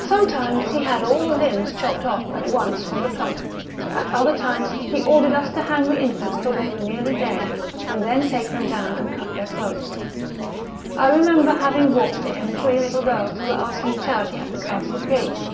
Sometimes he had all the limbs chopped off at once from the trunk ; at other times he ordered us to hang the infants till they were nearly dead, and then take them down and cut their throats. I remember having brought to him three little girls who were asking charity at the castle gates.